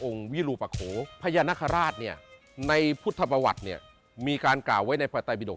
องค์วิรุปโขพญานคราชในพุทธประวัติมีการก่าวไว้ในประตบิดก